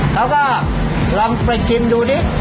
แล้วก็ลำไปชิมดูดิ